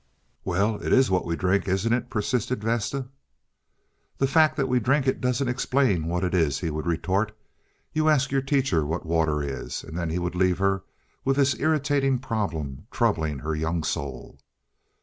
"Well, it is what we drink, isn't it?" persisted Vesta. "The fact that we drink it doesn't explain what it is," he would retort. "You ask your teacher what water is"; and then he would leave her with this irritating problem troubling her young soul.